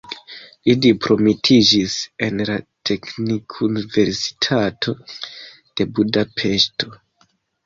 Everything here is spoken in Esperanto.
Li diplomitiĝis en la teknikuniversitato de Budapeŝto.